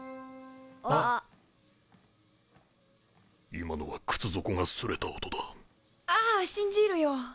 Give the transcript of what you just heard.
今のはくつ底がすれた音だ。ああ信じるよ。